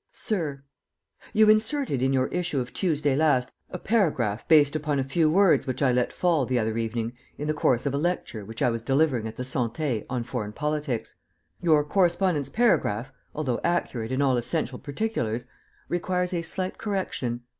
"SIR, "You inserted in your issue of Tuesday last a paragraph based upon a few words which I let fall, the other evening, in the course of a lecture, which I was delivering at the Santé on foreign politics. Your correspondent's paragraph, although accurate in all essential particulars, requires a slight correction.